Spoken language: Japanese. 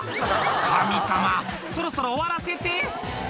神様そろそろ終わらせて」